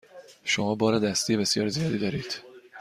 شما بار دستی بسیار زیادی دارید.